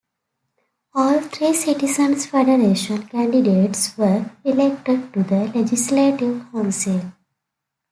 All three Citizen's Federation candidates were elected to the Legislative Council.